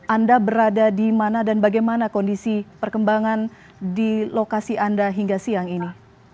anda berada di mana dan bagaimana kondisi perkembangan di lokasi anda hingga siang ini